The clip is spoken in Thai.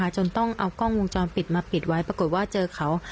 จนต้องเอากล้องวงจรปิดมาปิดไว้ปรากฏว่าเจอเขา